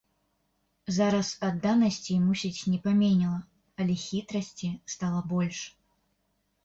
Зараз адданасці, мусіць, не паменела, але хітрасці стала больш.